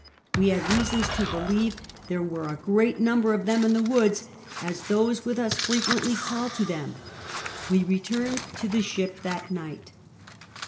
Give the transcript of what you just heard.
We liad reasons to believe there were a great number of them in the woods as those with us fre quently call'd to them ; we return'd to the ship that night.